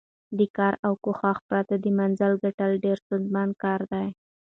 د کار او کوښښ پرته د منزل ګټل ډېر ستونزمن کار دی.